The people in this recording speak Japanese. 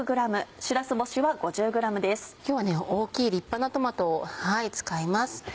今日はね大きい立派なトマトを使います。